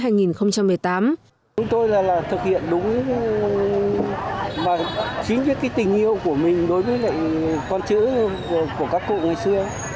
chúng tôi là thực hiện đúng và chính cái tình yêu của mình đối với con chữ của các cụ ngày xưa